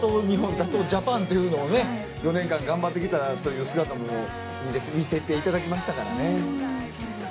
日本、ジャパンというのを４年間、頑張ってきたという姿も見せていただきましたからね。